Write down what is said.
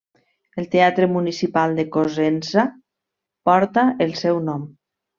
El teatre municipal de Cosenza porta el seu nom.